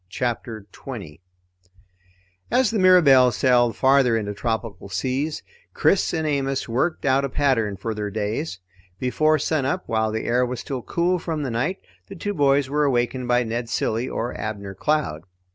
CHAPTER 20 As the Mirabelle sailed farther into tropical seas, Chris and Amos worked out a pattern for their days. Before sunup, while the air was still cool from the night, the two boys were awakened by Ned Cilley or Abner Cloud.